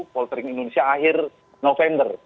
poltering indonesia akhir november